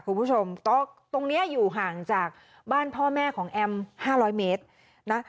คุณผู้ชมตรงนี้อยู่ห่างจากบ้านพ่อแม่ของแอม๕๐๐เมตรนะ